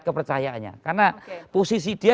kepercayaannya karena posisi dia